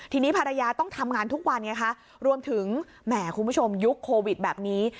ทีนี้ภรรยาต้องทำงานทุกวันไงคะรวมถึงแหมคุณผู้ชมยุคโควิดแบบนี้